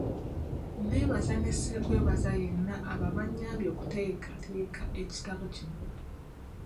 Nneebaza ne ssekwebaza yenna abo abanyambye okuteekateeka ekitabo kino.